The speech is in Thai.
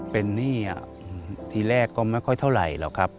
เป็นหนี้ทีแรกก็ไม่ค่อยเท่าไหร่หรอกครับ